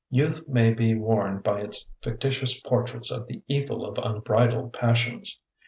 Youth may be warned by its fictitious portraits of the evil of unbridled passions.